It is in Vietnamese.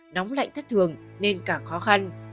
nóng lạnh thất thường nên cả khó khăn